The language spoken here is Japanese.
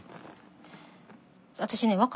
私ね